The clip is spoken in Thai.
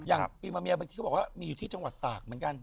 อย่างปีมะเมียบางทีเขาบอกว่ามีอยู่ที่จังหวัดตากเหมือนกัน